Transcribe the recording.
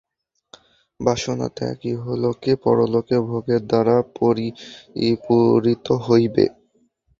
বাসনাত্যাগ ইহলোকে পরলোকে ভোগের দ্বারা পরিপূরিত হইবে।